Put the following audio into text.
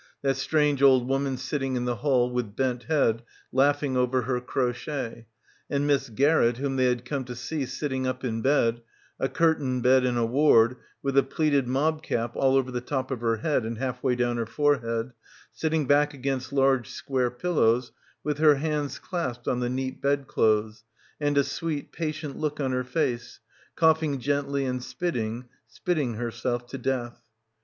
. that strange old woman sitting in the hall with bent head laughing over her crochet, and Miss Garrett whom they had come to see sitting up in bed, a curtained bed in a ward, with a pleated mob cap all over the top of her head and half way down her forehead, sitting back against large square pillows with her hands clasped on the neat bed clothes and a "sweet, patient" look on her face, coughing gently and spitting, spitting herself to death